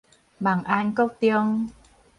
望安國中